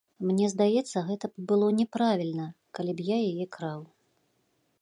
Мне здаецца, гэта было б няправільна, калі б я яе краў.